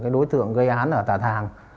đối tượng gây án ở tà thàng